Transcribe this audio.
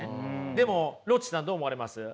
でもロッチさんどう思われます？